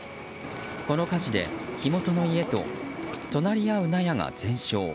この火事で、火元の家と隣り合う納屋が全焼。